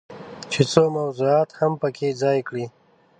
چې څو موضوعات هم پکې ځای کړي.